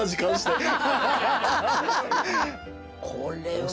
これは。